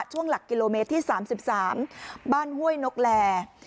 ช่วงหลักกิโลเมตรที่สามสิบสามบ้านห้วยนกแหล่